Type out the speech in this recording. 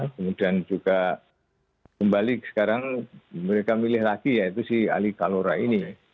kemudian juga kembali sekarang mereka milih lagi yaitu si ali kalora ini